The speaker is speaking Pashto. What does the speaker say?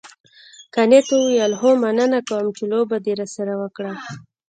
کانت وویل هو مننه کوم چې لوبه دې راسره وکړه.